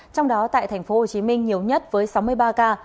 trong đó tại tp hcm nhiều nhất với sáu mươi ba ca